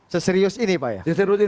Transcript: seserius ini pak ya